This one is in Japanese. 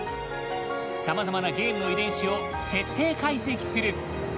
さまざまなゲームの遺伝子を徹底解析する。